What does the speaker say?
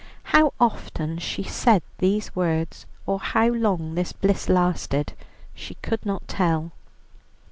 How often she said these words, or how long this bliss lasted she could not tell.